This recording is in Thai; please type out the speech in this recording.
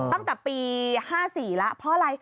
ตั้งแต่ปี๕๔แล้วเพราะอะไร